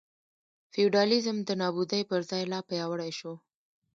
فیوډالېزم د نابودۍ پر ځای لا پیاوړی شو.